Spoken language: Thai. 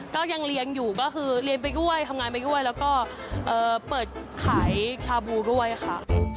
ก็ยังเรียนอยู่ก็คือเรียนไปด้วยทำงานไปด้วยแล้วก็เปิดขายชาบูด้วยค่ะ